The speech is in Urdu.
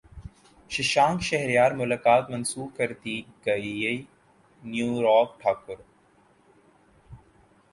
ششانک شہریار ملاقات منسوخ کردی گئیانوراگ ٹھاکر